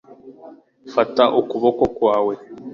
fata ukuboko kwawe